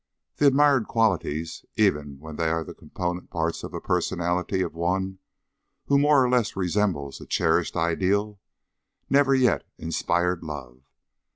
The admired qualities, even when they are the component parts of a personality of one who more or less resembles a cherished ideal, never yet inspired love.